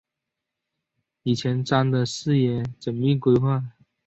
以前瞻的视野缜密规划